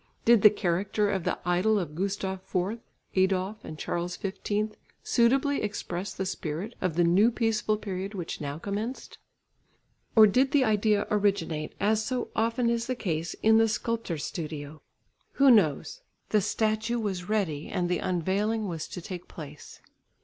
Bid the character of the idol of Gustav IV, Adolf, and Charles XV suitably express the spirit of the new peaceful period which now commenced? Or did the idea originate, as so often is the case in the sculptor's studio? Who knows? The statue was ready and the unveiling was to take place.